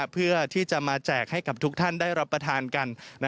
เพื่อที่จะมาแจกให้กับทุกท่านได้รับประทานกัน